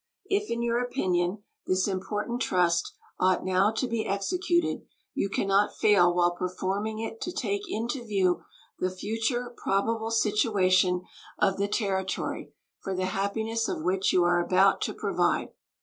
If in your opinion this important trust ought now to be executed, you can not fail while performing it to take into view the future probable situation of the territory for the happiness of which you are about to provide.